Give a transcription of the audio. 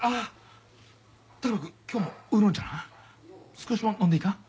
少しも飲んでいかん？